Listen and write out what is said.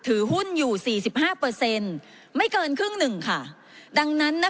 ถือหุ้นอยู่สี่สิบห้าเปอร์เซ็นต์ไม่เกินครึ่งหนึ่งค่ะดังนั้นนะคะ